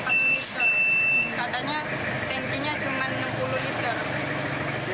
katanya tank nya cuman enam puluh liter